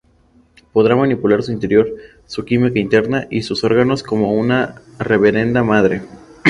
Podrá manipular su interior, su química interna y sus órganos como una Reverenda Madre.